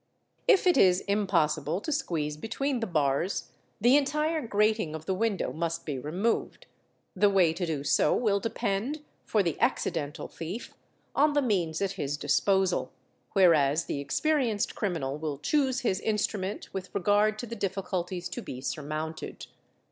If it is impossible to squeeze between the bars, the entire grating of a , the window must be removed; the way to do so" | will depend, for the "accidental "' thief, on the ; Vh means at his disposal, whereas the experienced .:|___@ ee criminal will chose his instrument with regard to J the difficulties to be surmounted.